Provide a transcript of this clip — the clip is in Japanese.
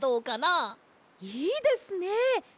いいですね！